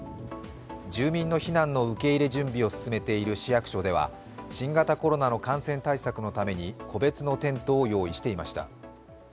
住民の避難の受け入れ準備を進めている市役所では新型コロナの感染対策のために個別のテントを用意していました。